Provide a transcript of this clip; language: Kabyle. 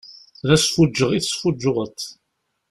D asfuǧǧeɣ i tesfuǧǧuɣeḍ.